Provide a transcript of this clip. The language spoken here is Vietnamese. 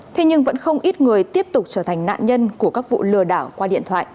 thế nhưng vẫn không ít người tiếp tục trở thành nạn nhân của các vụ lừa đảo qua điện thoại